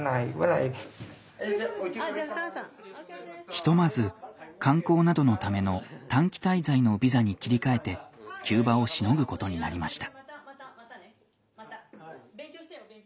ひとまず観光などのための短期滞在のビザに切り替えて急場をしのぐことになりました。